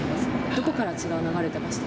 どこから血が流れてました？